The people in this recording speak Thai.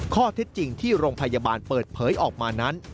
ข้อเท็จจริงที่โรงพยาบาลเปิดเผยออกมานั้น